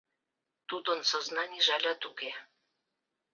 Тудын сознанийже алят уке.